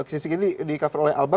sisi kiri di cover oleh alba